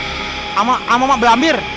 sama ama mak belambir